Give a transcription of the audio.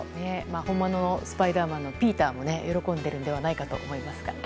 本物のスパイダーマンのピーターも喜んでいるのではないかと思いますが。